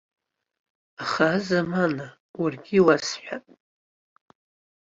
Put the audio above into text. Аха азамана, уаргьы иуасҳәап.